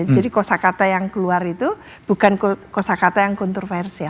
jadi kosa kata yang keluar itu bukan kosa kata yang kontroversial